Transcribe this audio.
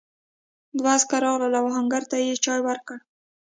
دوه عسکر راغلل او آهنګر ته یې چای ورکړ.